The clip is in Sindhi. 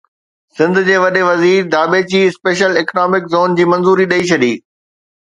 سنڌ جي وڏي وزير ڌاٻيجي اسپيشل اڪنامڪ زون جي منظوري ڏئي ڇڏي